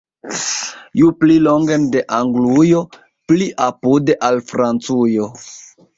Ju pli longen de Anglujo, pli apude al Francujo!